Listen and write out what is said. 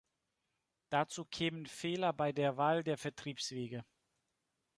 Dazu kämen Fehler bei der Wahl der Vertriebswege.